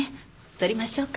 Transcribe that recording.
撮りましょうか。